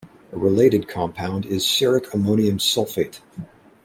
A related compound is ceric ammonium sulfate.